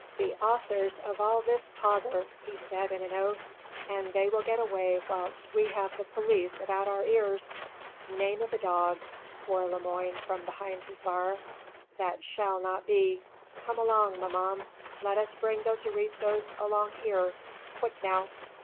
"The authors of all this pother," he added with an oath, "and they will get away whilst we have the police about our ears." "Name of a name of a dog," swore Lemoine from behind his bar, "that shall not be. Come along, maman, let us bring those aristos along here. Quick now."